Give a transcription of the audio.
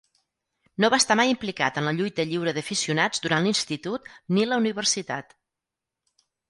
No va estar mai implicat en la lluita lliure d'aficionats durant l'institut ni la universitat